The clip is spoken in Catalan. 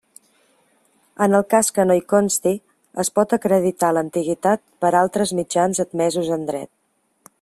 En el cas que no hi consti, es pot acreditar l'antiguitat per altres mitjans admesos en dret.